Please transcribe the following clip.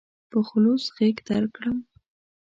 په خلوص غېږ درکړم.